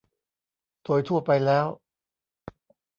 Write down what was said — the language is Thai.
โดยทั่วไปแล้ว